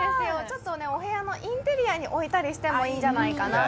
お部屋のインテリアに置いてもいいんじゃないかなと。